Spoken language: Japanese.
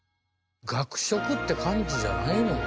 学食って感じじゃないもんな。